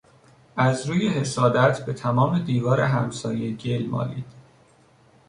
از روی حسادت به تمام دیوار همسایه گل مالید.